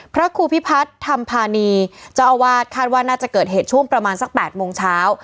พระครูพิพัฒน์ธรรมภานีเจ้าอาวาสคาดว่าน่าจะเกิดเหตุช่วงประมาณสัก๘โมงเช้า